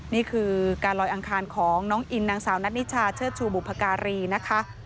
นี่คือการลอยอังคารของน้องอินนางสาวนัทนิชาเชิดชูบุพการีนะคะ